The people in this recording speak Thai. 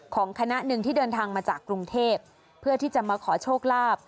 ของคณะหนึ่งที่เดินทางมาจากกรุงเทพเพื่อที่จะมาขอโชคลาภ